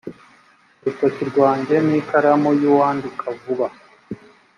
urutoki rwanjye ni ikaramu y’uwandika vuba